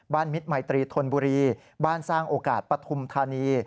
มิตรมัยตรีธนบุรีบ้านสร้างโอกาสปฐุมธานี